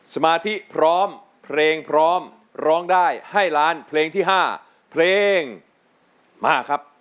สมาธิพร้อมเพลงพร้อมร้องได้ให้ล้านเพลงที่๕เพลงมาครับ